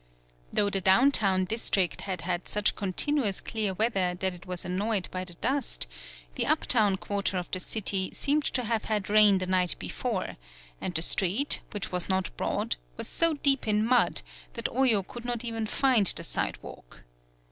Though the down town district had had such continuous clear weather that it was annoyed by the dust, the up town quarter of the city seemed to have had rain the night before and the street, which was not broad, was so deep in mud that Oyo could not even find the sidewalk.